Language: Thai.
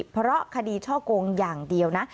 เพราะคดีช่อกงอย่างเดียวนะ